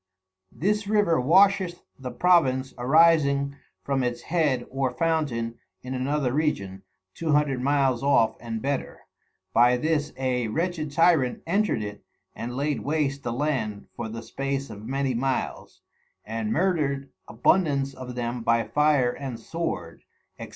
This River washeth the Province arising from its head or fountain in another Region, Two Hundred miles off and better, By this a wretched Tyrant entred it and laid waste the Land for the space of many miles, and murder'd abundance of them by Fire and Sword, _&c.